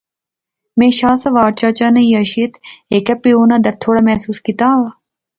میں شاہ سوار چچا نا یا شیت ہیک پیو ناں درد تھوڑا محسوس کیتیا